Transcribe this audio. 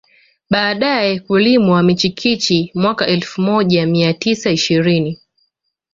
Baadae kulimwa michikichi mwaka elfu moja mia tisa ishirini